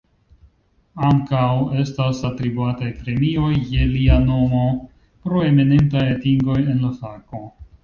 Ankaŭ estas atribuataj premioj je lia nomo pro eminentaj atingoj en la fako.